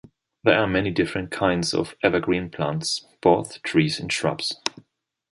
There are many different kinds of evergreen plants, both trees and shrubs.